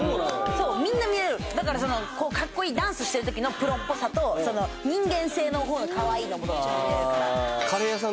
そうみんな見れるだからかっこいいダンスしてるときのプロっぽさと人間性の方のかわいいのもどっちも見れるからカレー屋さんのおじさんじゃないんだ